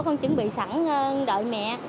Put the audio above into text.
con chuẩn bị sẵn đợi mẹ